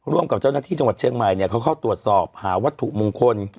ร่วมกับเจ้าหน้าที่จังหวัดเชียงใหม่เนี่ยเขาเข้าตรวจสอบหาวัตถุมงคล